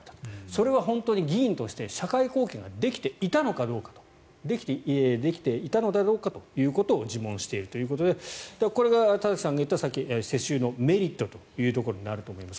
それは本当に議員として社会貢献ができていたのだろうかということを自問しているということでこれは田崎さんがさっき言った世襲のメリットということだと思います。